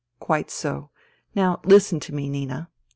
" Quite so. Now listen to me, Nina."